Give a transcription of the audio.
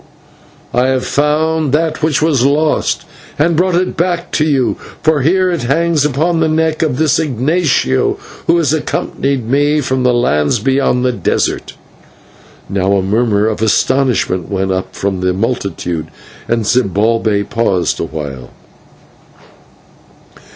I have found that which was lost, and brought it back to you, for here it hangs upon the neck of this Ignatio, who has accompanied me from the lands beyond the desert." Now a murmur of astonishment went up from the multitude, and Zibalbay paused awhile.